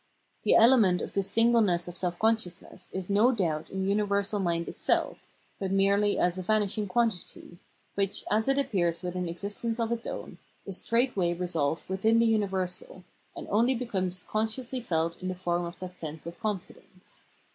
The element of this single ness of self consciousness is no doubt in universal mind itself, but merely as a vanishing quantity, which, as it appears with an existence of its own, is straight way resolved within the universal, and only becomes consciously felt in the form of that sense of confidence.